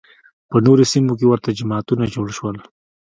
په نورو سیمو کې ورته جماعتونه جوړ شول